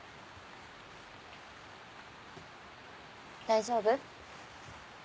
大丈夫？